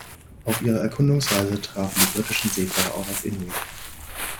Auf ihrer Erkundungsreise trafen die britischen Seefahrer auch auf Inuit.